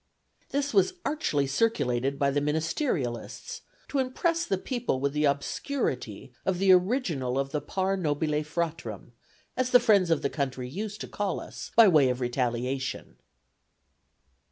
This was archly circulated by the ministerialists, to impress the people with the obscurity of the original of the par nobile fratrum, as the friends of the country used, to call us, by way of retaliation."